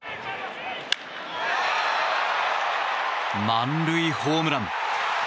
満塁ホームラン。